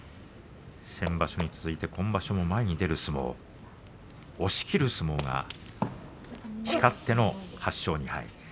先場所に続いて今場所も前に出る相撲、押しきる相撲が光っての８勝２敗。